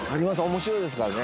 面白いですからね